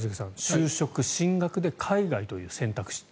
就職、進学で海外という選択肢。